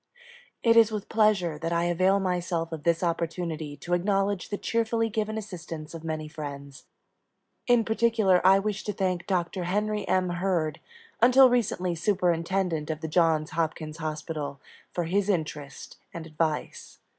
It is with pleasure that I avail myself of this opportunity to acknowledge the cheerfully given assistance of many friends. In particular I wish to thank Doctor Henry M. Hurd, until recently Superintendent of the Johns Hopkins Hospital, for his interest and advice.